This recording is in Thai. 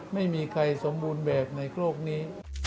ไม่มีใครสมบูรณ์แบบในโลกนี้